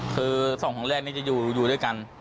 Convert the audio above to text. คือ๒ห้องแรกนี้จะอยู่ด้วยกัน